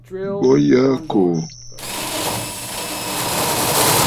Bo yǝǝ ɨkòò.